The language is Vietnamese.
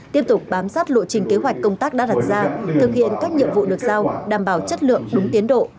tiếp tục bám sát lộ trình kế hoạch công tác đã đặt ra thực hiện các nhiệm vụ được giao đảm bảo chất lượng đúng tiến độ